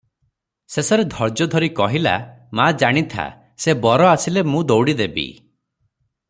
ଶେଷରେ ଧୈର୍ଯ୍ୟ ଧରି କହିଲା, "ମା, ଜାଣିଥା- ସେ ବର ଆସିଲେ ମୁଁ ଦଉଡ଼ି ଦେବି ।"